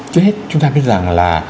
trước hết chúng ta biết rằng là